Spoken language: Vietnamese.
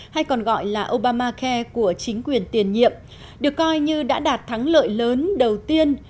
hay còn gọi là obamacare của chính quyền tiền nhiệm được coi như đã đạt thắng lợi lớn đầu tiên